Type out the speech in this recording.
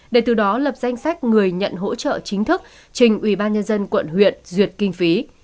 để từ đó lập danh sách người nhận hỗ trợ chính thức trình ubnd quận huyện duyệt kinh phí